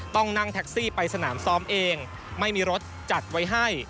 ต้องนั่งแท็กซี่ไปสนามซ้อมเองไม่มีรถจัดไว้ให้